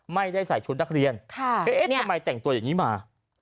ไม่ได้ใส่ชุดนักเรียนทำไมแต่งตัวอย่างนี้มา